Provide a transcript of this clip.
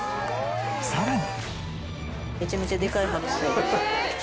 さらに。